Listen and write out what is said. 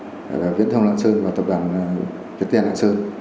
và viện thông lạ sơn và tập đoàn tiết tiên lạ sơn